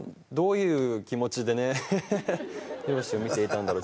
両親を見ていたんだろう？